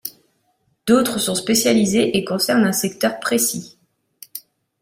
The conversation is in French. D'autres sont spécialisées et concernent un secteur précis.